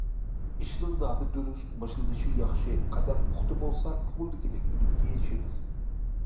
ئىشنىڭ نامى دۇرۇس، باشلىنىشى ياخشى، قەدەم پۇختا بولسا، كۆڭۈلدىكىدەك ئۈنۈمگە ئېرىشىمىز.